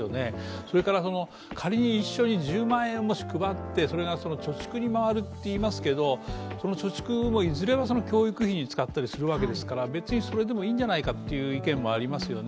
それから仮に一緒に１０万円を配って貯蓄に回るっていいますけどその貯蓄もいずれは教育費に使ったりするわけですから別にそれでもいいんじゃないかという意見もありますよね。